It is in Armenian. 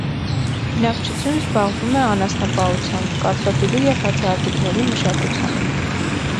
Բնակչությունն զբաղվում է անասնապահությամբ, կարտոֆիլի և հացահատիկների մշակությամբ։